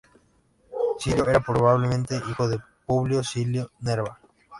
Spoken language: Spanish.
Silio era probablemente hijo de Publio Silio Nerva.